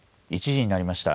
１時になりました。